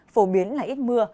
phổ biến là ít mưa